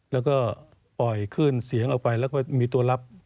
แล้วก็ปล่อยขึ้นเสียงออกไปแล้วก็มีตัวลับ